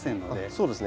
そうですね。